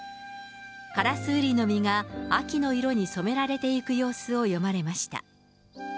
烏瓜の実が秋の色に染められていく様子を詠まれました。